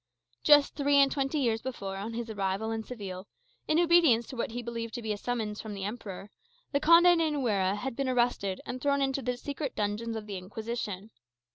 Just three and twenty years before, on his arrival in Seville, in obedience to what he believed to be a summons from the Emperor, the Conde de Nuera had been arrested and thrown into the secret dungeons of the Inquisition.